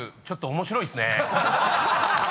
ちょっと面白いっすね。